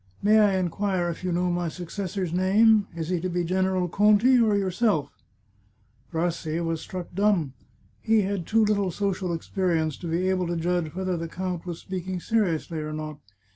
May I inquire if you know my successor's name? Is he to be General Conti or yourself ?" Rassi was struck dumb. He had too little social experi 30S The Chartreuse of Parma ence to be able to judge whether the count was speaking seriously or not.